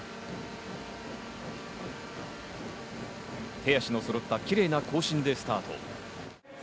手足のそろったキレイな行進でスタート。